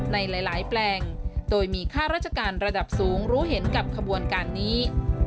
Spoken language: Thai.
ในหลายแปลงโดยมีค่าราชการระดับสูงรู้เห็นกับขบวนการนี้